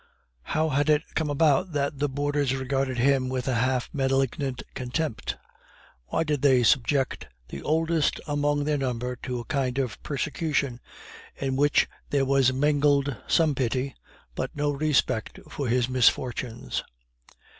How had it come about that the boarders regarded him with a half malignant contempt? Why did they subject the oldest among their number to a kind of persecution, in which there was mingled some pity, but no respect for his misfortunes?